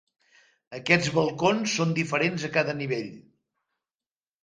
Aquests balcons són diferents a cada nivell.